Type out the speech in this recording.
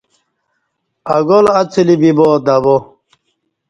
اگل اڅلی بیبا دوا